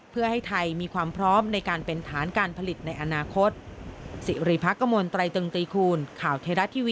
เพื่อให้ไทยมีความพร้อมในการเป็นฐานการผลิตในอนาคต